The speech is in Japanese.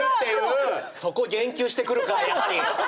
そこ言及してくるかやはり。